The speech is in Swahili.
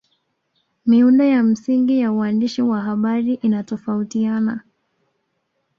Miundo ya msingi ya uandishi wa habari inatofautiana